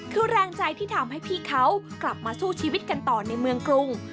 คือแรงใจที่ทำให้พี่เขากลับมาสู้ชีวิตกันต่อในเมืองกรุง